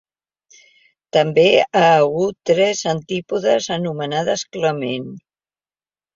També ha hagut tres antípodes nomenades Clement.